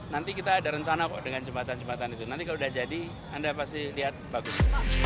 nanti kita ada rencana kok dengan jembatan jembatan itu nanti kalau udah jadi anda pasti lihat bagus